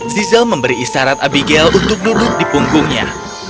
zizzle memberi isarat abigail untuk duduk di punggungnya